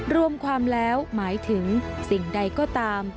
รวมความแล้วหมายถึงสิ่งใดก็ตาม